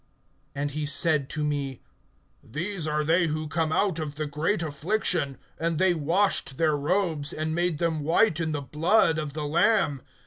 And he said to me: These are they who come out of the great affliction, and they washed their robes, and made them white in the blood of the Lamb.